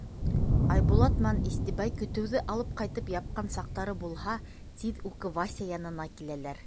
Айбулат менән Истебай көтөүҙе алып ҡайтып япҡан саҡтары булһа, тиҙ үк Вася янына киләләр.